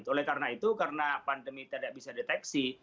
oleh karena itu karena pandemi tidak bisa deteksi